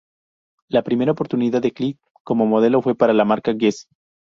La primera oportunidad de Click como modelo fue para la marca Guess?.